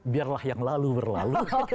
biarlah yang lalu berlalu